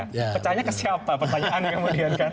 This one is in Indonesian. pecahnya ke siapa pertanyaan kemudian kan